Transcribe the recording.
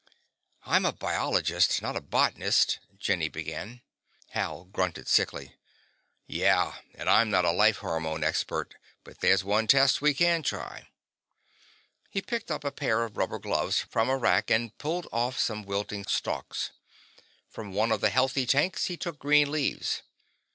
"I'm a biologist, not a botanist " Jenny began. Hal grunted sickly. "Yeah. And I'm not a life hormone expert. But there's one test we can try." He picked up a pair of rubber gloves from a rack, and pulled off some wilted stalks. From one of the healthy tanks, he took green leaves.